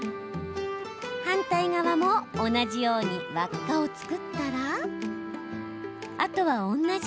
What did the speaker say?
反対側も同じように輪っかを作ったらあとは同じ。